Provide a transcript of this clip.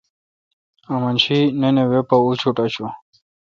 امن شی نِن اے وے پا اچوٹ آݭوں۔